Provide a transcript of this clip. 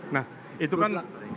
nah itu kan